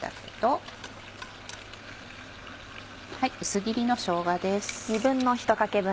薄切りのしょうがです。